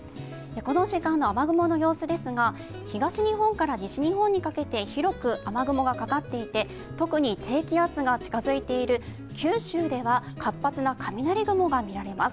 この時間の雨雲の様子ですが、東日本から西日本にかけて広く雨雲がかかっていて特に低気圧が近づいている九州では活発な雷雲が見られます。